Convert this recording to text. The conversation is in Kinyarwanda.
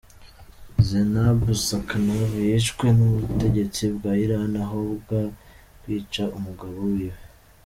Zeinab Sekaanvan yishwe n'ubutegetsi bwa Irani ahogwa kwica umugabo wiwe.